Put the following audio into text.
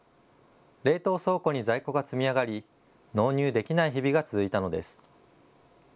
冷凍倉庫に在庫が積み上がり納入できない日々が続いたのです。